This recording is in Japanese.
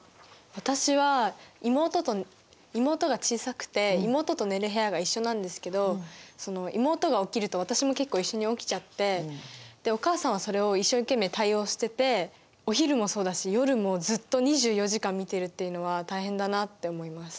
私は妹が小さくて妹と寝る部屋が一緒なんですけど妹が起きると私も結構一緒に起きちゃってお母さんはそれを一生懸命対応しててお昼もそうだし夜もずっと２４時間見てるっていうのは大変だなって思います。